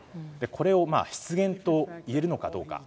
これを失言といえるのかどうか。